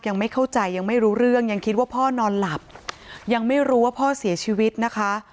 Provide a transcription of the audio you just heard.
ยังไม่เข้าใจยังไม่รู้เรื่องยังคิดว่าพ่อนอนหลับยังไม่รู้ว่าพ่อเสียชีวิตนะคะ